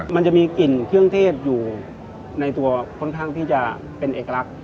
มันจะมีกลิ่นเครื่องเทศอยู่ในตัวค่อนข้างที่จะเป็นเอกลักษณ์